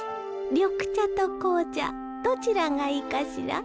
緑茶と紅茶どちらがいいかしら？